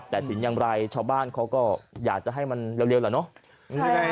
แต่ถึงอย่างไรชาวบ้านเขาก็อยากจะให้มันเร็วแหละเนาะ